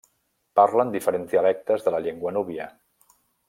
Parlen diferents dialectes de la llengua núbia.